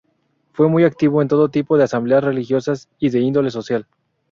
Fue muy activo en todo tipo de asambleas religiosas y de índole social.